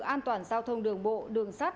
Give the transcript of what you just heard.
an toàn giao thông đường bộ đường sát